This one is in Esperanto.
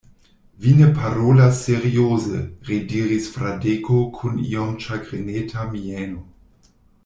Vi ne parolas serioze, rediris Fradeko kun iom ĉagreneta mieno.